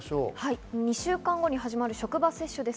２週間後に始まる職場接種です。